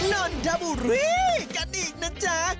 นนทบุรีกันอีกนะจ๊ะ